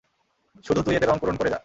শুধু, তুই এতে রং পূরণ করে যা।